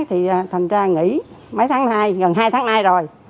thì thành ra nghỉ mấy tháng hai gần hai tháng hai rồi